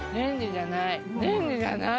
レンジじゃない！